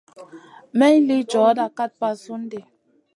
May lï djoda kat basoun ɗi.